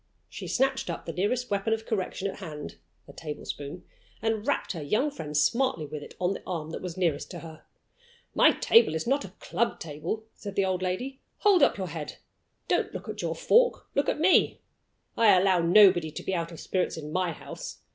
She snatched up the nearest weapon of correction at hand a tablespoon and rapped her young friend smartly with it on the arm that was nearest to her. "My table is not the club table," said the old lady. "Hold up your head. Don't look at your fork look at me. I allow nobody to be out of spirits in My house.